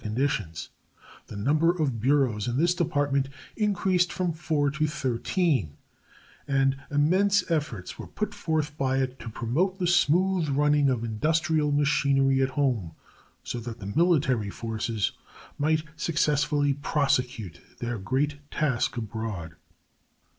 During that year, mainly under the stress of war conditions, the number of bureaus in this department increased from four to thirteen, and immense efforts were put forth by it to promote the smooth running of industrial machinery at home, so that the military forces might successfully prosecute their great task abroad.